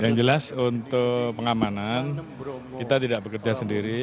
yang jelas untuk pengamanan kita tidak bekerja sendiri